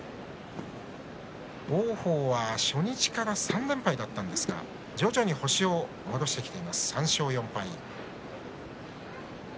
王鵬は初日から３連敗だったんですが徐々に星を戻してきて３勝４敗。